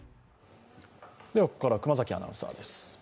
ここからは熊崎アナウンサーです。